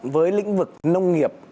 với lĩnh vực nông nghiệp